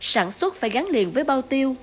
sản xuất phải gắn liền với bao tiêu